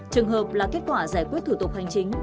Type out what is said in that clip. trường hợp là kết quả giải quyết thủ tục hành chính